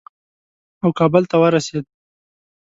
او کابل ته ورسېد.